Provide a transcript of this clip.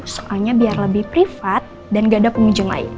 soalnya biar lebih privat dan gak ada pengunjung lain